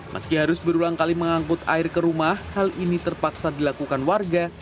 meski harus berulang kali mengangkut air ke rumah hal ini terpaksa dilakukan warga